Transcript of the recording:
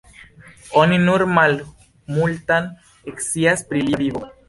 Oni nur malmultan scias pri lia vivo.